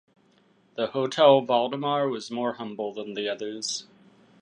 The Hotel Valdemar was more humble than the others.